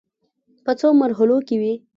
په څو مرحلو کې وې.